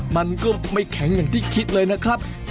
มันก็ไม่แข็งอย่างที่คิดเลยนะครับ